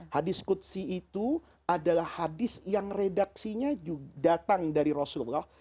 hadis kutsi itu adalah hadis yang redaksinya datang dari rasulullah